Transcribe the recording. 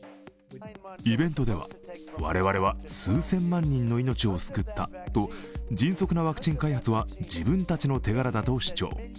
イベントでは、我々は数千万人の命を救ったと迅速なワクチン開発は自分たちの手柄だと主張。